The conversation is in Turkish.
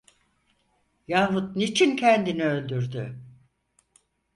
Yahut niçin kendini öldürdü?